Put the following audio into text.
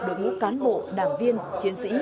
đội ngũ cán bộ đảng viên chiến sĩ